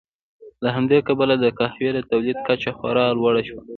له همدې کبله د قهوې د تولید کچه خورا لوړه شوه.